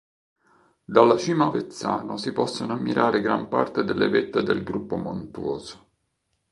Dalla cima Avezzano si possono ammirare gran parte delle vette del gruppo montuoso.